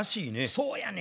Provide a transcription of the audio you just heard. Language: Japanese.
そうやねん。